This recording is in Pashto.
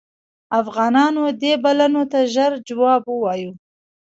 افغانانو دې بلنو ته ژر جواب ووایه.